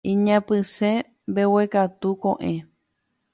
Iñapysẽ mbeguekatu koʼẽ.